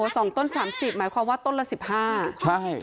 สองต้นสามสิบหมายความว่าต้นละสิบห้าใช่